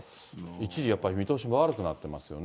一時やっぱり見通しも悪くなってますよね。